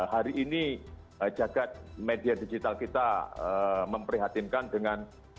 hari ini jagad media digital kita memprihatinkan dengan